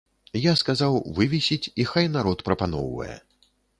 Я сказаў вывесіць, і хай народ прапаноўвае.